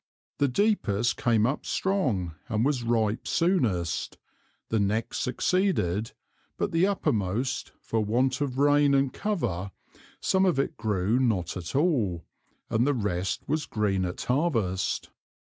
The deepest came up strong and was ripe soonest, the next succeeded; but the uppermost, for want of Rain and Cover, some of it grew not at all, and the rest was green at Harvest.